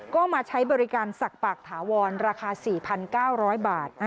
ก็มาใช้บริการศักดิ์ปากถาวรราคาสี่พันเก้าร้อยบาท